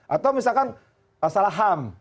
atau misalkan masalah ham